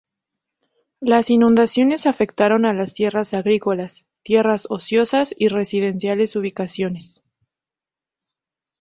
Las inundaciones afectaron a las tierras agrícolas, tierras ociosas y residenciales ubicaciones.